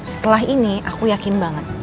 setelah ini aku yakin banget